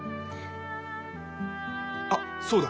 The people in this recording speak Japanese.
あっそうだ！